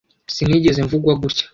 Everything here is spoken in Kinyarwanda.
Sinigeze mvugwa gutya.